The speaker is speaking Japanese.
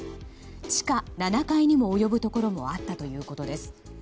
地下７階にも及ぶところがあったということです。